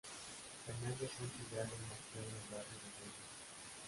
Fernando Sánchez Dragó nació en el barrio de Salamanca.